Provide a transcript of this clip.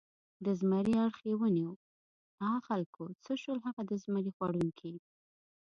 د زمري اړخ یې ونیو، آ خلکو څه شول هغه د زمري ځوروونکي؟